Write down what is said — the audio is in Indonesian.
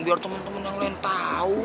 biar temen temen yang lain tahu